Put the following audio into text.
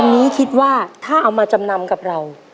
อันนี้คิดว่าถ้าเอามาจำนำกับเรา